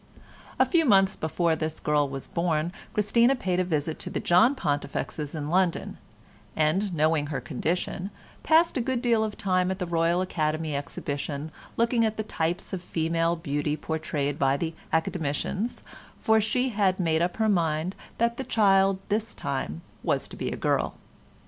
A few months before this girl was born Christina paid a visit to the John Pontifexes in London, and, knowing her condition, passed a good deal of time at the Royal Academy exhibition looking at the types of female beauty portrayed by the Academicians, for she had made up her mind that the child this time was to be a girl.